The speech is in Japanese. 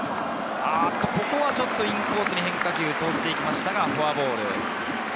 ここはちょっとインコースに変化球を投じましたがフォアボール。